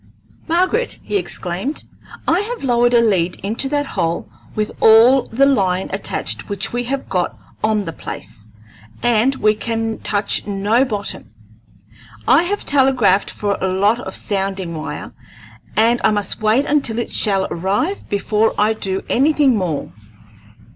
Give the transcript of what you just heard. "Margaret," he exclaimed, "I have lowered a lead into that hole with all the line attached which we have got on the place, and we can touch no bottom. I have telegraphed for a lot of sounding wire, and I must wait until it shall arrive before I do anything more."